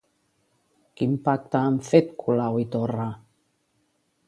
Quin pacte han fet Colau i Torra?